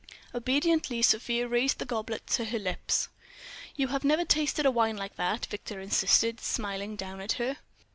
Obediently, Sofia raised the goblet to her lips. "You have never tasted a wine like that," Victor insisted, smiling down at her.